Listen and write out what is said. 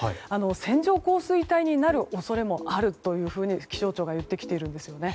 線状降水帯になる恐れもあるというふうに気象庁が言ってきているんですよね。